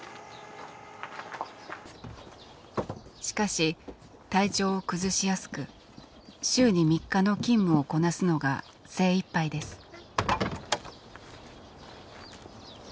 しかし体調を崩しやすく週に３日の勤務をこなすのが精いっぱいです。